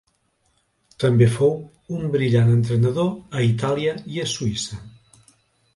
També fou un brillant entrenador a Itàlia i a Suïssa.